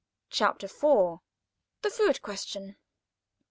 CHAPTER IV. The food question.